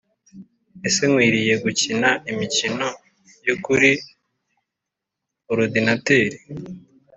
Ese nkwiriye gukina imikino yo kuri orudinateri